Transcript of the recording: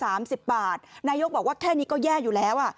นายกรัฐมนตรีค่ะบอกว่าแค่นี้ก็แย่อยู่แล้ว